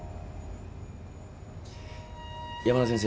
山田先生